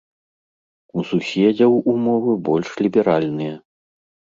У суседзяў умовы больш ліберальныя.